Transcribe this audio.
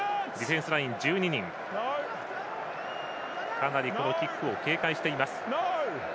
かなりキックを警戒しています。